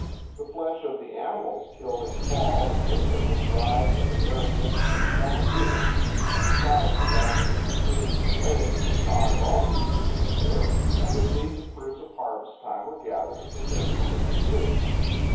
The flesh of the animals killed in fall and winter was dried in the arid winds for summer use; the trout abounding in the streams and lakes were caught at all seasons of the year; and the seeds and fruits of harvest time were gathered and preserved for winter use.